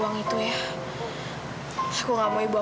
langsung aku ditarik uang semuanya